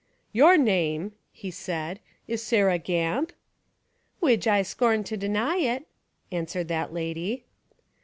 "Your name," he said, "is Sarah Gamp?" "Widge I scorn to deny it," answered that lady.